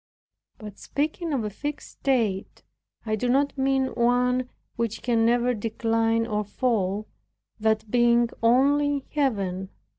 By speaking of a fixed state, I do not mean one which can never decline or fall, that being only in Heaven.